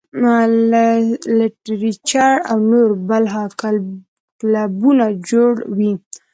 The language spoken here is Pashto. لټرېچر او نور بلها کلبونه جوړ وي -